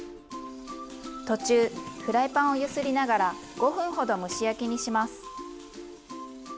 途中フライパンを揺すりながら５分ほど蒸し焼きにします。